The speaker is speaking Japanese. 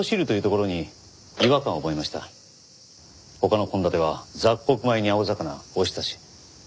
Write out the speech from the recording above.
他の献立は雑穀米に青魚おひたし。